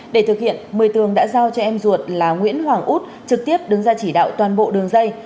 để thực hiện mười tường đã giao cho em ruột là nguyễn hoàng út trực tiếp đứng ra chỉ đạo toàn bộ đường dây